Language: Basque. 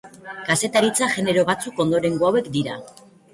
Kazetaritza genero batzuk ondorengo hauek dira.